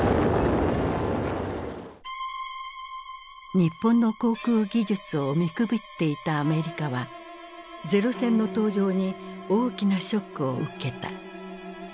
日本の航空技術を見くびっていたアメリカは零戦の登場に大きなショックを受けた。